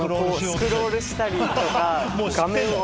スクロールしたりとか画面を。